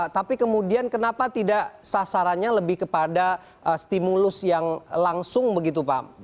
tapi kemudian kenapa tidak sasarannya lebih kepada stimulus yang langsung begitu pak